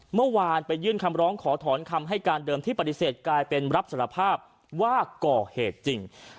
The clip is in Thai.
เมื่อวานไปยื่นคำร้องขอถอนคำให้การเดิมที่ปฏิเสธกลายเป็นรับสารภาพว่าก่อเหตุจริง